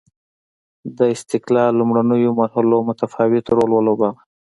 د استقلال لومړنیو مرحلو متفاوت رول ولوباوه.